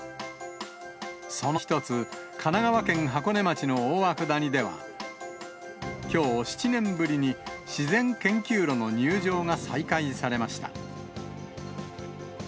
その一つ、神奈川県箱根町の大涌谷では、きょう、７年ぶりに自然研究路の入場が再開されました。